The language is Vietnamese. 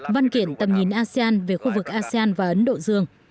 văn kiện tầm nhìn asean về khu vực asean và ấn độ dương